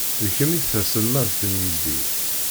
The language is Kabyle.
D kemm i d taselmadt n yelli..